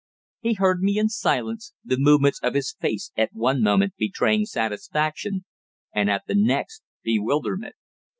He heard me in silence, the movements of his face at one moment betraying satisfaction, and at the next bewilderment.